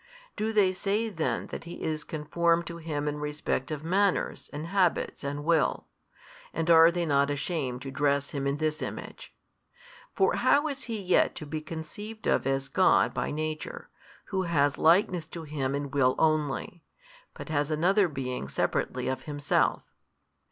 Do they say then that He is conformed to Him in respect of manners and habits and will, and are they not ashamed to dress Him in this image? for how is He yet to be conceived of as God by Nature, Who has Likeness to Him in will only, but has another Being separately of Himself?